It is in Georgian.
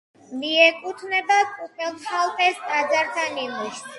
მიეკუთვნება კუპელჰალეს ტაძართა ნიმუშს.